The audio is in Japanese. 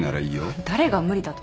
誰が無理だと？